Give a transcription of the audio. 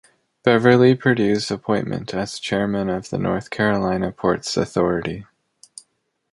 Beverly Perdue's appointment as chairman of the North Carolina Ports Authority.